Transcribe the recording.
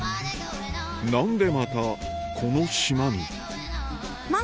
何でまたこの島に？